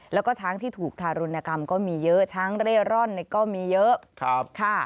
แล้วก็ช้างที่ถูกทารุณกรรมก็มีเยอะช้างเร่ร่อนก็มีเยอะค่ะ